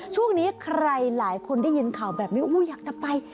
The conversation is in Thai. ช่วงนี้ใครหลายคนได้ยินข่าวแบบนี้อยากจะไป